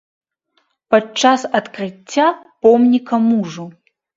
Падчас адкрыцця помніка мужу.